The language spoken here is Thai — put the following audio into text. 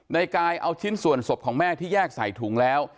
ในกายเอาชิ้นส่วนศพของแม่ที่แยกใส่ถุงแล้ว